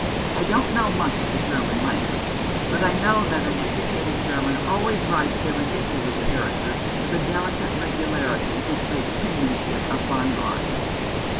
I don't know much of the German language, but I know that an educated German always writes their ridiculous character with a delicate regularity which makes penmanship a fine art.